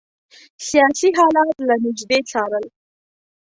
سیاسي حالات له نیژدې څارل.